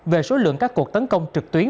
về số lượng các cuộc tấn công trực tuyến